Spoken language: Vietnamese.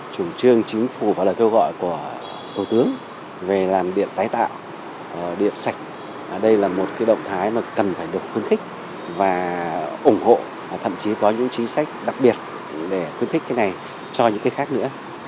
chủ trương chính phủ và lời kêu gọi của thủ tướng về làm điện tái tạo điện sạch đây là một động thái mà cần phải được khuyến khích và ủng hộ thậm chí có những chính sách đặc biệt để khuyến khích cái này cho những cái khác nữa